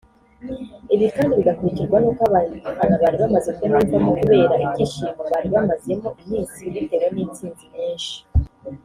Ibi kandi bigakurikirwa n’uko abafana bari bamaze kumwiyumvamo kubera ibyishimo bari bamazemo iminsi bitewe n’intsinzi nyinshi